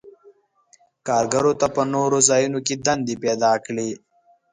کارګرو ته په نورو ځایونو کې دندې پیداکړي.